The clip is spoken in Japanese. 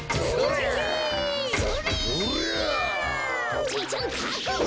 おじいちゃんかくご！